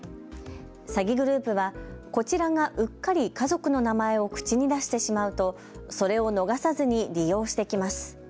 詐欺グループはこちらがうっかり家族の名前を口に出してしまうとそれを逃さずに利用してきます。